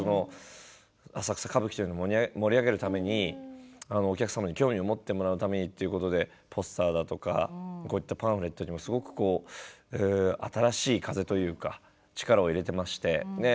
「浅草歌舞伎」というのを盛り上げるためにお客様に興味を持ってもらうために、ということでポスターだとかこういったパンフレットにも新しい風というか力を入れていまして。